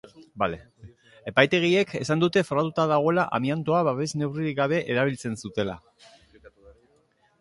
Epaitegiek esan dute frogatuta dagoela amiantoa babes neurririk gabe erabiltzen zutela.